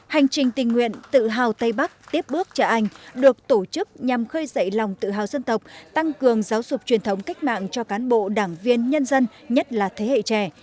hành trình tình nguyện tự hào tây bắc tiếp bước trở anh được tổ chức nhằm khơi dậy lòng tự hào dân tộc tăng cường giáo dục truyền thống cách mạng cho cán bộ đảng viên nhân dân nhất là thế hệ trẻ